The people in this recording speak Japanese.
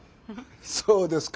そうですか。